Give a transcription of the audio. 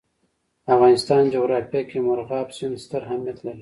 د افغانستان جغرافیه کې مورغاب سیند ستر اهمیت لري.